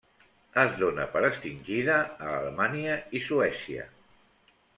Es dóna per extingida a Alemanya i Suècia.